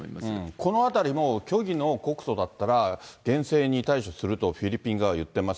このあたりも、虚偽の告訴だったら厳正に対処するとフィリピン側は言ってます。